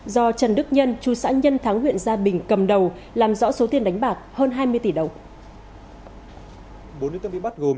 do trần đức nhân chú sãn nhân tháng nguyện gia bình cầm đầu làm rõ số tiền đánh bạc hơn hai mươi tỷ đồng